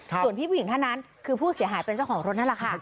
ส่วนพี่ผู้หญิงท่านนั้นคือผู้เสียหายเป็นเจ้าของรถนั่นแหละค่ะ